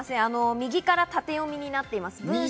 右から縦読みになっています。